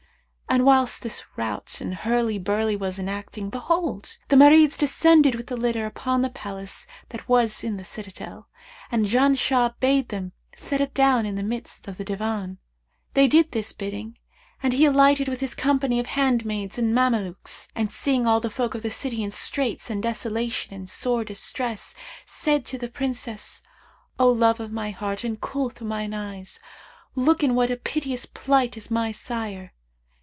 And whilst this rout and hurly burly was enacting, behold, the Marids descended with the litter upon the palace that was in the citadel, and Janshah bade them set it down in the midst of the Divan. They did his bidding and he alighted with his company of handmaids and Mamelukes; and, seeing all the folk of the city in straits and desolation and sore distress, said to the Princess, 'O love of my heart and coolth of mine eyes, look in what a piteous plight is my sire!'